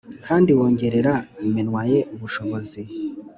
kandi wongerera iminwa ye ubushobozi